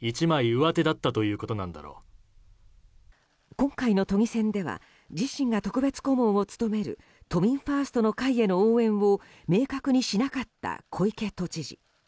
今回の都議選では自身が特別顧問を務める都民ファーストの会への応援を明確にしなかった小池都知事。